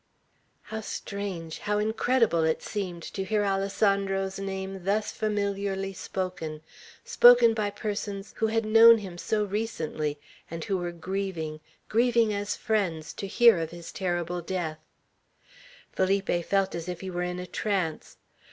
How strange, how incredible it seemed, to hear Alessandro's name thus familiarly spoken, spoken by persons who had known him so recently, and who were grieving, grieving as friends, to hear of his terrible death! Felipe felt as if he were in a trance.